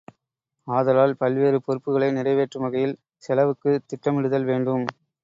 ஆதலால் பல்வேறு பொறுப்புக்களை நிறைவேற்றும் வகையில் செலவுக்குத் திட்டமிடுதல் வேண்டும்.